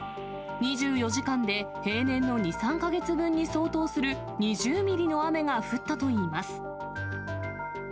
２４時間で平年の２、３か月分に相当する、２０ミリの雨が降ったといいます。